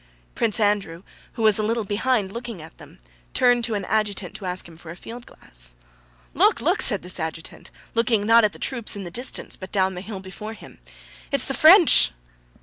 Prince Andrew, who was a little behind looking at them, turned to an adjutant to ask him for a field glass. "Look, look!" said this adjutant, looking not at the troops in the distance, but down the hill before him. "It's the French!"